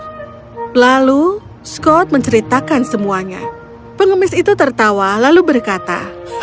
lalu scott menceritakan semuanya pengemis itu tertawa lalu berkata